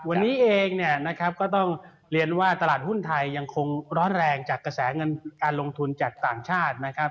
วันนี้เองเนี่ยนะครับก็ต้องเรียนว่าตลาดหุ้นไทยยังคงร้อนแรงจากกระแสเงินการลงทุนจากต่างชาตินะครับ